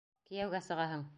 Кейәүгә сығаһың!